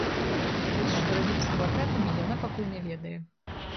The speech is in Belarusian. А вось што рабіць з плакатамі, яна пакуль не ведае.